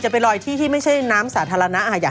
ไปลอยที่ที่ไม่ใช่น้ำสาธารณะ